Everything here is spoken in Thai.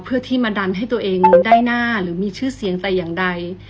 เพื่อที่มาดันให้ตัวเองได้หน้าหรือมีชื่อเสียงแต่อย่างใด